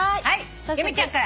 由美ちゃんから。